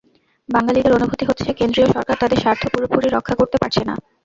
বাঙালিদের অনুভূতি হচ্ছে কেন্দ্রীয় সরকার তাদের স্বার্থ পুরোপুরি রক্ষা করতে পারছে না।